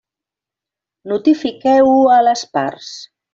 Notifiqueu-ho a les parts.